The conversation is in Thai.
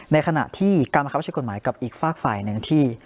ในขณะที่การบังคับใช้กฎหมายกับอีกฝากฝ่ายหนึ่งที่